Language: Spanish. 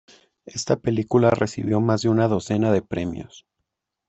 Esta película recibió más de una docena de premios.